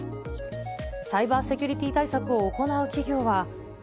サイバーセキュリティー対策を行う企業は。